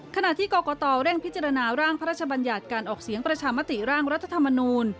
ขณะที่กรกตเร่งพิจารณาร่างพระราชบัญญัติการออกเสียงประชามติร่างรัฐธรรมนูล